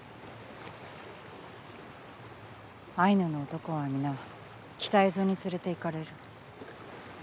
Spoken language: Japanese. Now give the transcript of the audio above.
アイヌの男は皆北蝦夷に連れて行かれる。